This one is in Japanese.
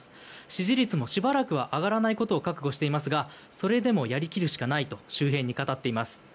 支持率もしばらくは上がらないことを覚悟していますがそれでも、やりきるしかないと周辺に語っています。